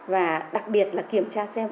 và đặc biệt là kiểm tra xem